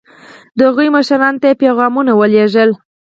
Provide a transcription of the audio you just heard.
د هغوی مشرانو ته یې پیغامونه ولېږل.